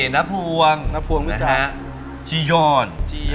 นภวงจิยร